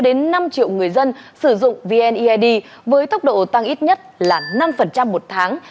đến năm triệu người dân sử dụng vneid với tốc độ tăng ít nhất là năm một tháng